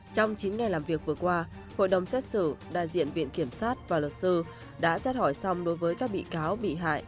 trong chín ngày làm việc vừa qua hội đồng xét xử đại diện viện kiểm sát và luật sư đã xét hỏi xong đối với các bị cáo bị hại